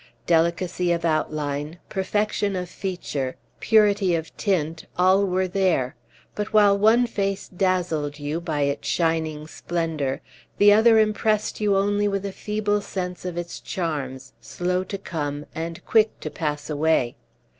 Delicacy of outline, perfection of feature, purity of tint, all were there; but, while one face dazzled you by its shining splendor, the other impressed you only with a feeble sense of its charms, slow to come, and quick to pass away.